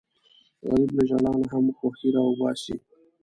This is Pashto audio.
غریب له ژړا نه هم خوښي راوباسي